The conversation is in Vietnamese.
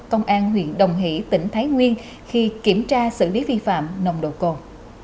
công an huyện đồng hỷ tỉnh thái nguyên khi kiểm tra xử lý vi phạm nồng độ cồn